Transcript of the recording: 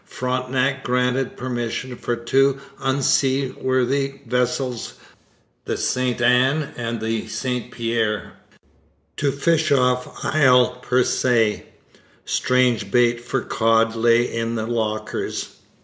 Frontenac granted permission for two unseaworthy vessels, the St Anne and the St Pierre, to fish off Isle Percé. Strange bait for cod lay in the lockers.